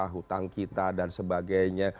hutang kita dan sebagainya